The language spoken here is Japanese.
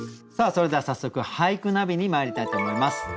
それでは早速「俳句ナビ」にまいりたいと思います。